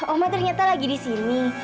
oma ternyata lagi di sini